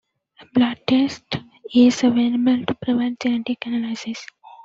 A blood test is available to provide genetic analysis.